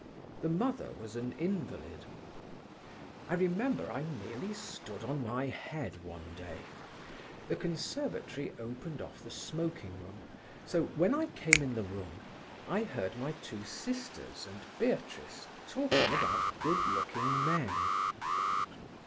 The mother was an invalid. "I remember I nearly stood on my head one day. The conservatory opened off the smoking room, so when I came in the room, I heard my two sisters and Beatrice talking about good looking men.